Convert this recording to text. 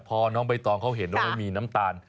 พอน้องใบตองเขาเห็นว่ามันมีน้ำตาล